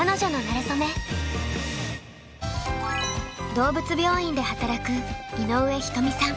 動物病院で働く井上ひとみさん。